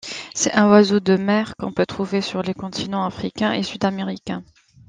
C'est un oiseau de mer qu'on peut trouver sur les continents africain et sud-américain.